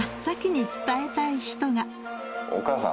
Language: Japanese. お母さん？